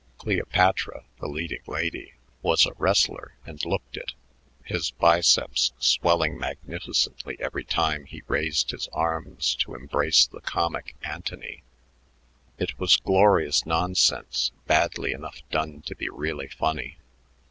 Cleopatra, the leading lady, was a wrestler and looked it, his biceps swelling magnificently every time he raised his arms to embrace the comic Antony. It was glorious nonsense badly enough done to be really funny.